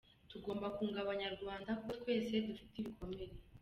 Tugomba kwunga abanyarwanda kuko twese dufite ibikomere.